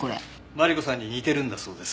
マリコさんに似てるんだそうです。